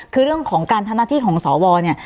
คือเรื่องของการทำหน้าที่ของสวเนี่ย